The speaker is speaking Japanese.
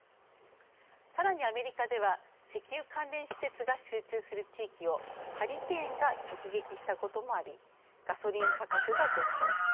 さらにアメリカでは石油関連施設が集中する地域をハリケーンが直撃したこともありガソリン価格が上昇。